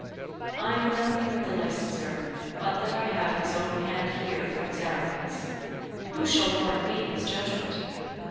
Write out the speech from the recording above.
I know nothing of the licenser, but that I have his own hand here for his arrogance; who shall warrant me his judgment?